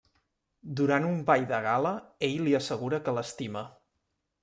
Durant un ball de gala, ell li assegura que l'estima.